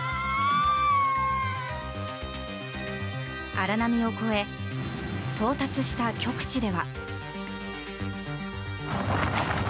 荒波を越え到達した極地では。